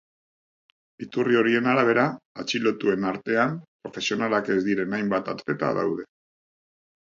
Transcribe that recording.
Iturri horien arabera, atxilotuen artean profesionalak ez diren hainbat atleta daude.